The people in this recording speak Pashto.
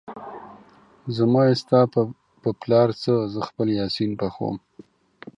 زما يې ستا په پلار څه ، زه خپل يا سين پخوم